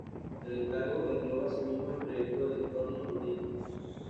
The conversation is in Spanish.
El encargo engloba asimismo el proyecto del entorno urbanístico.